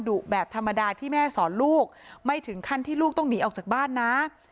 ดุแบบธรรมดาที่แม่สอนลูกไม่ถึงขั้นที่ลูกต้องหนีออกจากบ้านนะ